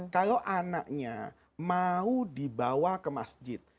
kalau anaknya mau dibawa ke masjid